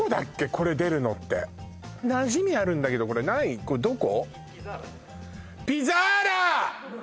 これ出るのってなじみあるんだけどこれどこ？